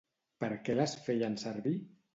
Per què les feien servir?